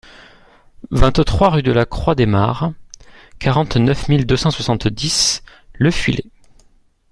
vingt-trois rue de la Croix des Mares, quarante-neuf mille deux cent soixante-dix Le Fuilet